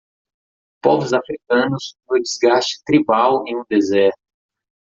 Povos africanos no desgaste tribal em um deserto.